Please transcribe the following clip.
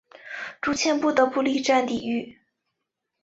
朱谦不得不力战抵御。